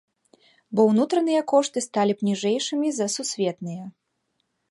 Бо ўнутраныя кошты сталі б ніжэйшымі за сусветныя.